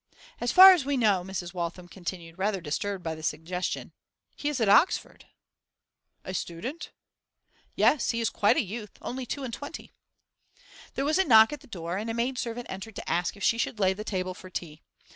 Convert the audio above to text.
'As far as we know,' Mrs. Waltham continued, rather disturbed by the suggestion, 'he is at Oxford.' 'A student?' 'Yes. He is quite a youth only two and twenty.' There was a knock at the door, and a maid servant entered to ask if she should lay the table for tea.